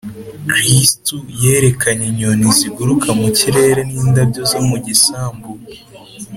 kristo yerekanye inyoni ziguruka mu kirere n’indabyo zo mu gisambu